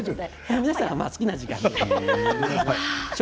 皆さん好きな時間で。